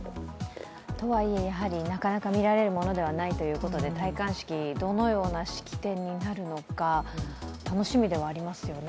とはいえ、やはりなかなか見られるものではないということで戴冠式、どのような式典になるのか楽しみではありますよね。